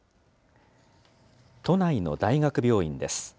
都内の大学病院です。